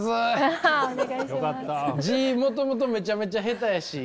字もともとめちゃめちゃ下手やし。